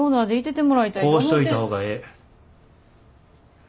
こうしといた方がええ。